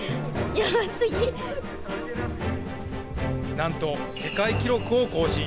なんと世界記録を更新。